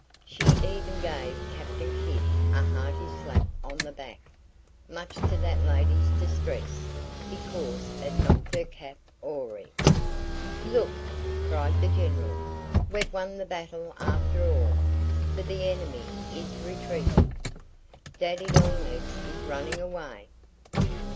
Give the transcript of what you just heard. She even gave Captain Kidd a hearty slap on the back much to that lady's distress (because it knocked her cap awry). "Look!" cried the General. "We've won the battle after all; for the enemy is retreating! Daddy Longlegs is running away!"